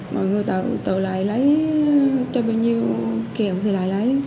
mọi người tự lại lấy cho bao nhiêu kèm thì lại lấy